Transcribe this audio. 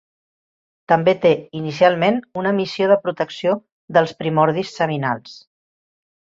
També té, inicialment, una missió de protecció dels primordis seminals.